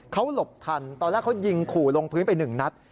เขาหลบทันตอนแรกเขายิงขู่ลงพื้นไปหนึ่งนัด